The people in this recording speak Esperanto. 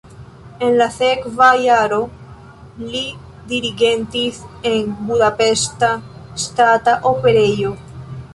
En la sekva jaro li dirigentis en Budapeŝta Ŝtata Operejo.